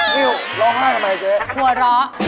พี่หิวร้องไห้ทำไมเจ๊เหรอ